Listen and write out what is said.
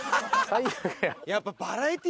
やっぱ。